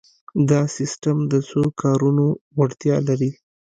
دا سیسټم د څو کارونو وړتیا لري.